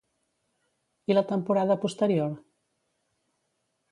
I la temporada posterior?